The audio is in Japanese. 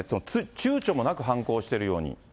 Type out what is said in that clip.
ちゅうちょもなく犯行しているように。